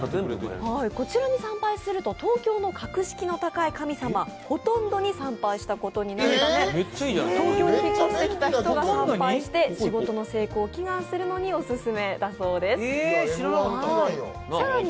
こちらに参拝すると東京の格式の高い神様ほとんどに参拝したことになるため東京に引っ越してきた人が参拝して仕事の成功を祈願するのにお勧めだそうです。